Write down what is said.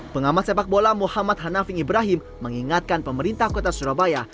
pengamat sepak bola muhammad hanafing ibrahim mengingatkan pemerintah kota surabaya